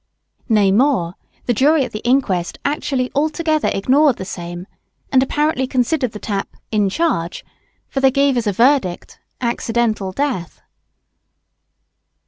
Nay more, the jury at the inquest actually altogether ignored the same, and apparently considered the tap "in charge," for they gave as a verdict "accidental death."